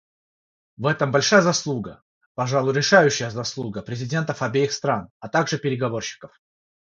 В этом большая заслуга, пожалуй решающая заслуга, президентов обеих стран, а также переговорщиков.